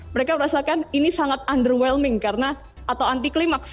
mereka merasakan ini sangat underwelming karena atau anti klimaks